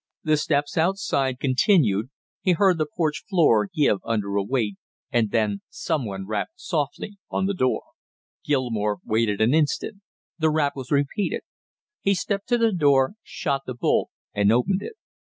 The steps outside continued, he heard the porch floor give under a weight, and then some one rapped softly on the door. Gilmore waited an instant; the rap was repeated; he stepped to the door, shot the bolt and opened it.